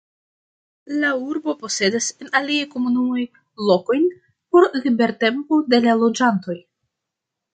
La urbo posedas en aliaj komunumoj lokojn por libertempo de la loĝantoj.